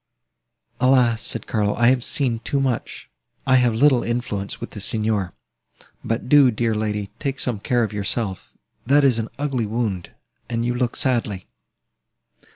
"Alas!" said Carlo, "I have seen too much! I have little influence with the Signor. But do, dear young lady, take some care of yourself; that is an ugly wound, and you look sadly."